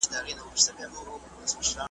زما آواز که در رسیږي `